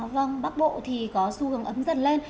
vâng bắc bộ thì có xu hướng ấm dần lên